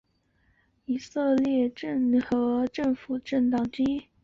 目前犹太家园党也是组成现今以色列联合政府的政党之一。